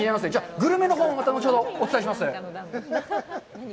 グルメのほうはまた後ほどお伝えします。